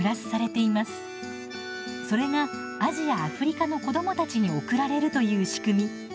それがアジア・アフリカの子どもたちに送られるという仕組み。